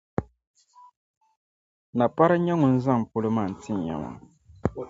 Napari n-nyɛ ŋun zaŋ polo maa n ti ya maa.